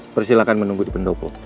persilakan menunggu di pendopo